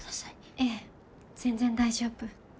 ええ全然大丈夫。